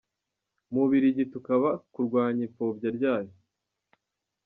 Mu Bubiligi tukaba kurwanya ipfobya ryayo.